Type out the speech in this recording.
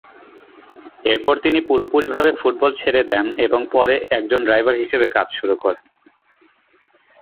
এরপর তিনি পুরোপুরিভাবে ফুটবল ছেড়ে দেন এবং পরে একজন ড্রাইভার হিসেবে কাজ করেন।